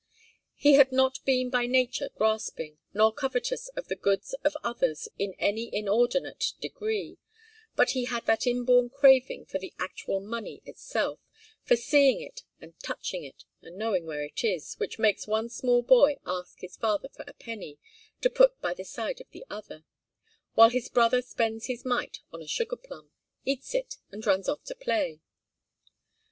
He had not been by nature grasping, nor covetous of the goods of others in any inordinate degree, but he had that inborn craving for the actual money itself, for seeing it and touching it, and knowing where it is, which makes one small boy ask his father for a penny 'to put by the side of the other,' while his brother spends his mite on a sugar plum, eats it, and runs off to play.